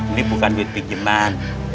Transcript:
ini bukan duit pinjaman